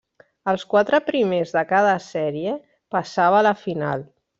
Els quatre primers de cada sèrie passava a la final.